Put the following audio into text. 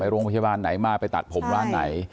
โรงพยาบาลไหนมาไปตัดผมร้านไหน